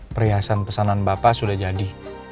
perhiasan pesanan bapak sudah jadi